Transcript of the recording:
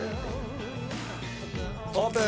オープン！